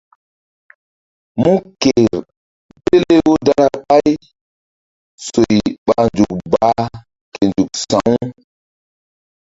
Mú ker pele wo dara ɓay soy ɓa nzukbaa ke nzuk sa̧wu.